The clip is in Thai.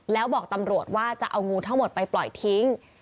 แล้วบอกตำรวจว่าจะเอางูทั้งหมดไปปล่อยทิ้ง